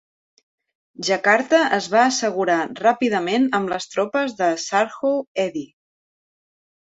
Jakarta es va assegurar ràpidament amb les tropes de Sarwo Edhie.